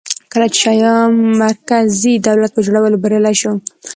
کله چې شیام مرکزي دولت په جوړولو بریالی شو